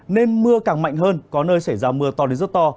nên mưa càng mạnh hơn có nơi xảy ra mưa to đến rất to